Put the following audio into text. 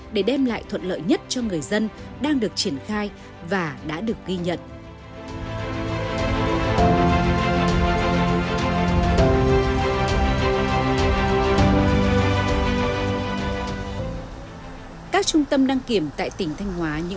để đem lại thuận lợi nhất cho người dân đang được triển khai và đã được ghi nhận